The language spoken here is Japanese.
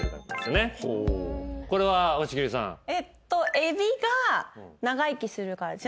エビが長生きするからですよね。